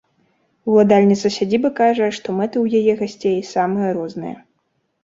Уладальніца сядзібы кажа, што мэты ў яе гасцей самыя розныя.